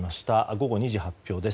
午後２時発表です。